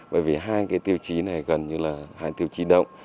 bởi vì hai cái tiêu chí này gần như là hai tiêu chí động